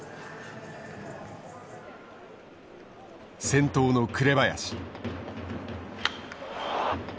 先頭の紅林。